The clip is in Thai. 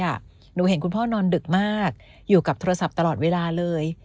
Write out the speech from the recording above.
หนูเห็นคุณพ่อนอนดึกมากอยู่กับโทรศัพท์ตลอดเวลาเลย